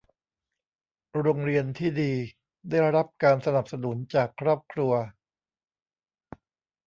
โรงเรียนที่ดีได้รับการสนับสนุนจากครอบครัว